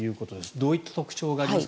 どういった特徴がありますか。